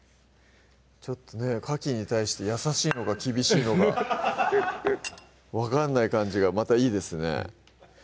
ちょっとねかきに対して優しいのか厳しいのか分かんない感じがまたいいですね